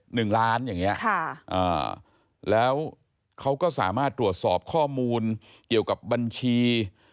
หนึ่งล้านอย่างเงี้ยค่ะอ่าแล้วเขาก็สามารถตรวจสอบข้อมูลเกี่ยวกับบัญชี